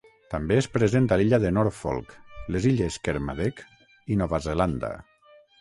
També és present a l'illa Norfolk, les illes Kermadec i Nova Zelanda.